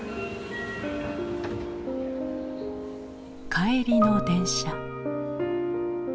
帰りの電車。